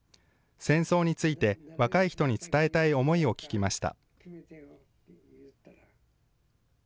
戦争について若い人に伝えたい思いを聞きました。